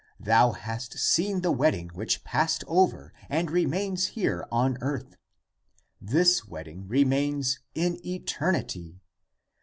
Thou hast seen the wedding which passed over and remains here (on earth.) This wedding remains in eternity.